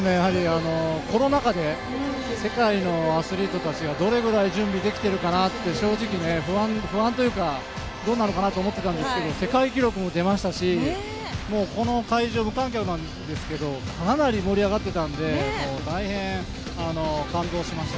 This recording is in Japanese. コロナ禍で世界のアスリートたちがどれぐらい準備できてるかなって正直、不安というかどうなのかと思ってたんですけど世界記録も出ましたしこの会場、無観客なんですけどかなり盛り上がっていたので大変、感動しました。